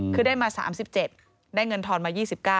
คือได้มา๓๗ได้เงินทอนมา๒๙